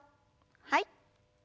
はい。